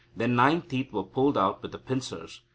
Then nine teeth were pulled out with the pincers.